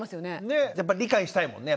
ねっやっぱり理解したいもんね。